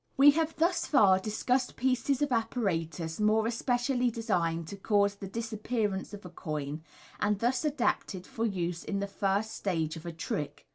We have thus far discussed pieces of apparatus more especially designed to cause the disappearance of a coin, and thus adapted f *r use in the first stage of a trick.